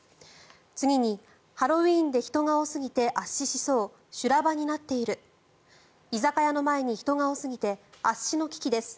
次にハロウィーンで人が多すぎて圧死しそう修羅場になっている居酒屋の前に人が多すぎて圧死の危機です